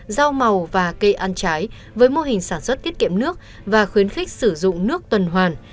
rau màu và cây ăn trái với mô hình sản xuất tiết kiệm nước và khuyến khích sử dụng nước tuần hoàn